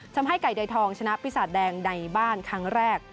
ทำให้ไก่เดยทองชนะปีศาจแดงในบ้านครั้งแรก